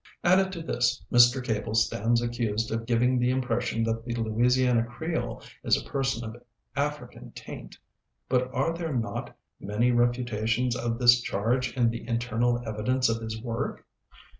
Added to this, Mr. Cable stands accused of giving the impression that the Louisiana Creole is a person of African taint; but are there not many refutations of this charge in the internal evidence of his work?